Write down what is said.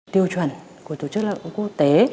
tiêu chuẩn của tổ chức lao động quốc tế